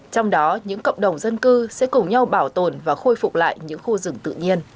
trong đó những cộng đồng dân cư sẽ cùng nhau bảo tồn và khôi phục lại những khu rừng tự nhiên